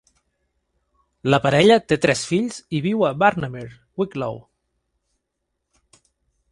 La parella té tres fills i viu a Barnamire, Wicklow.